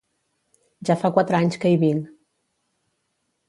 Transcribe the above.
Ja fa quatre anys que hi vinc.